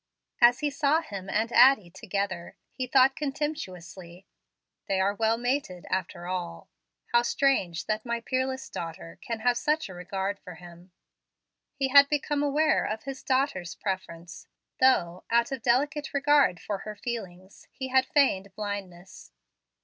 As he saw him and Addie together, he thought contemptuously, "They are well mated, after all. How strange that my peerless daughter can have such a regard for him!" He had become aware of his daughter's preference, though, out of delicate regard for her feelings, he had feigned blindness.